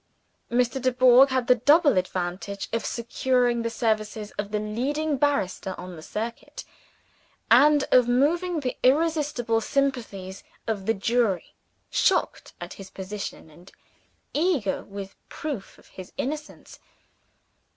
Mr. Dubourg had the double advantage of securing the services of the leading barrister on the circuit, and of moving the irrepressible sympathies of the jury, shocked at his position and eager for proof of his innocence.